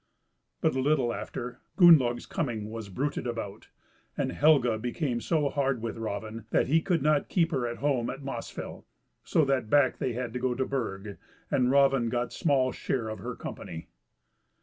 But, a little after, Gunnlaug's coming was bruited about, and Helga became so hard with Raven, that he could not keep her at home at Mossfell; so that back they had to go to Burg, and Raven got small share of her company.